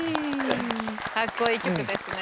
かっこいい曲ですね。